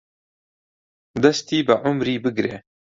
دەستی بە عومری بگرێ